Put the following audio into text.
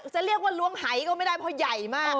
จะเรียกว่าล้วงหายก็ไม่ได้เพราะใหญ่มาก